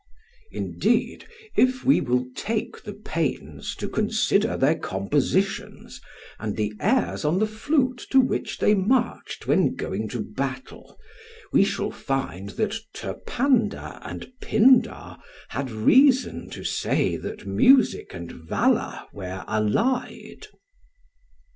Indeed if we will take the pains to consider their compositions, and the airs on the flute to which they marched when going to battle, we shall find that Terpander and Pindar had reason to say that music and valour were allied." [Footnote: Plutarch, Lycurgus, ch. 21. Clough's ed.